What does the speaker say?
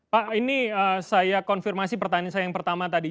pak ini saya konfirmasi pertanyaan saya yang pertama tadi